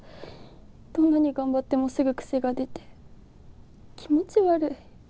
どんなに頑張ってもすぐくせが出て気持ち悪い。